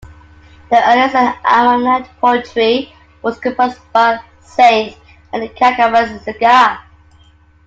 The earliest ammanai poetry was composed by Saint Manikkavasagar.